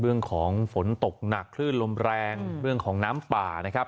เรื่องของฝนตกหนักคลื่นลมแรงเรื่องของน้ำป่านะครับ